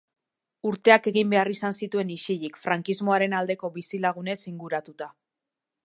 Urteak egin behar izan zituen isilik, frankismoaren aldeko bizilagunez inguratuta.